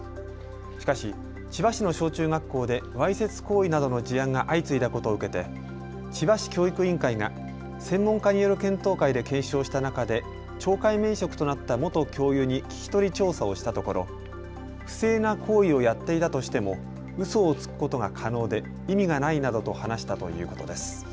しかし千葉市の小中学校でわいせつ行為などの事案が相次いだことを受けて千葉市教育委員会が専門家による検討会で検証した中で懲戒免職となった元教諭に聞き取り調査をしたところ、不正な行為をやっていたとしてもうそをつくことが可能で意味がないなどと話したということです。